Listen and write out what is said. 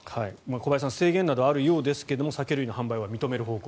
小林さん制限などはあるようですが酒類の販売は認める方向。